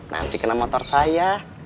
nanti kena motor saya